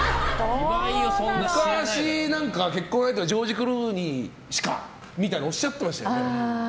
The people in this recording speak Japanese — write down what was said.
昔、結婚相手はジョージ・クルーニーしかみたいにおっしゃってましたよね。